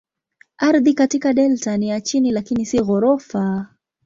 Ardhi katika delta ni ya chini lakini si ghorofa.